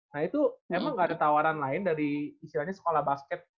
nah itu memang gak ada tawaran lain dari istilahnya sekolah basket